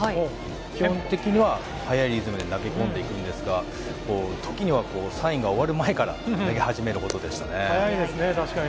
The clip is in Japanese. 基本的には速いリズムで投げ込んでいくんですが時にはサインが終わる前から投げ始めるほどでした。